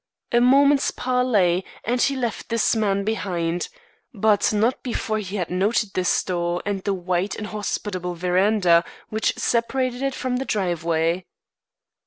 A moment's parley, and he left this man behind; but not before he had noted this door and the wide and hospitable verandah which separated it from the driveway.